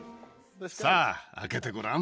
さぁ開けてごらん。